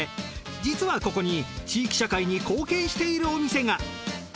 実はここに地域社会に貢献しているお店が。